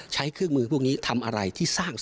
ใช้เครื่องมือพวกนี้ทำอะไรที่สร้าง